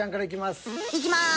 いきます。